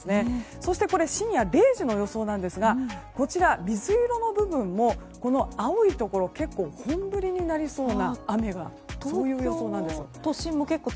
そしてこれは深夜０時の予想なんですが水色の部分も、青いところは結構本降りになりそうな雨の予想なんです。